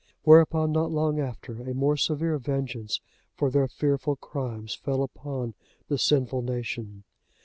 Whereupon, not long after, a more severe vengeance for their fearful crimes fell upon the sinful nation.